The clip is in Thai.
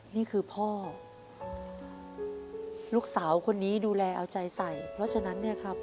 นี่คือพ่อลูกสาวคนนี้ดูแลเอาใจใส่เพราะฉะนั้นเนี่ยครับ